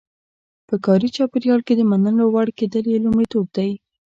په کاري چاپېریال کې د منلو وړ کېدل یې لومړیتوب دی.